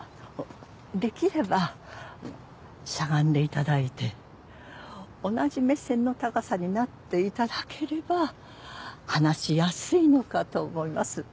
できればしゃがんでいただいて同じ目線の高さになっていただければ話しやすいのかと思います